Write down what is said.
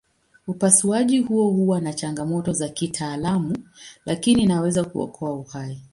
Upasuaji huo huwa na changamoto za kitaalamu lakini inaweza kuokoa uhai.